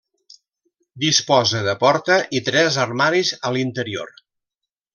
Disposa de porta i tres armaris a l'interior.